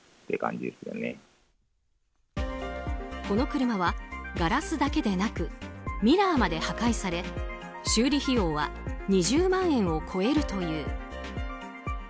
この車はガラスだけでなくミラーまで破壊され修理費用は２０万円を超えるという。